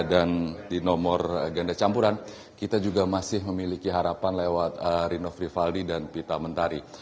di nomor ganda campuran kita juga masih memiliki harapan lewat rinov rivaldi dan pita mentari